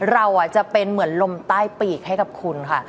เราจะเป็นเหมือนลมใต้ปีกให้กับคุณค่ะ